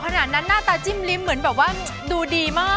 ขนาดนั้นหน้าตาจิ้มลิ้มเหมือนแบบว่าดูดีมาก